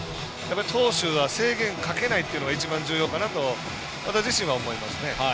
投手は制限かけないというのが一番重要かなと私自身は思いますね。